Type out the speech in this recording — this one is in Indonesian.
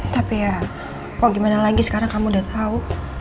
tapi ya kok gimana lagi sekarang kamu udah tahu